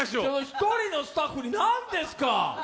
１人のスタッフに何ですか。